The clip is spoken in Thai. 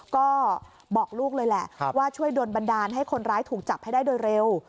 ก็บอกลูกเลยแหละว่าช่วยโดนบันดาลให้คนร้ายถูกจับให้ได้โดยเร็ว